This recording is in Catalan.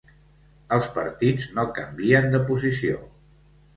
Els partits no canvien de posició.